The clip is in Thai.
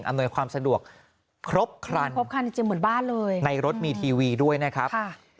อำนวยความสะดวกครบครันในรถมีทีวีด้วยนะครับ